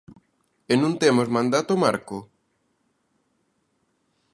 ¿E non temos mandato marco?